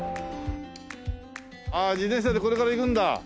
ああ自転車でこれから行くんだ？